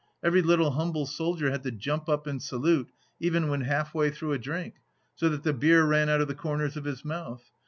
Every little humble soldier had to jump up and salute even when half way through a drink, so that the beer ran out of the corners of his mouth.